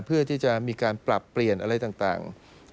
เพื่อที่จะมีการปรับเปลี่ยนอะไรต่าง